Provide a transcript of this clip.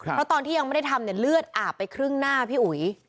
เพราะตอนที่ยังไม่ได้ทำเนี่ยเลือดอาบไปครึ่งหน้าพี่อุ๋ย